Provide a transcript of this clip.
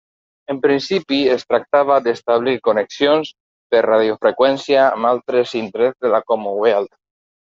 En principi es tractava d'establir connexions per radiofreqüència amb altres indrets de la Commonwealth.